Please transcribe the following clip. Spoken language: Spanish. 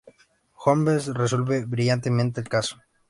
Holmes resuelve brillantemente el caso.